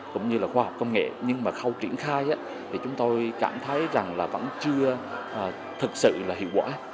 cũng như là khoa học công nghệ nhưng mà khâu triển khai thì chúng tôi cảm thấy rằng là vẫn chưa thực sự là hiệu quả